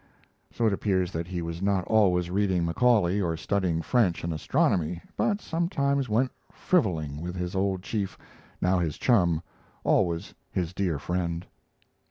So it appears that he was not always reading Macaulay or studying French and astronomy, but sometimes went frivoling with his old chief, now his chum, always his dear friend.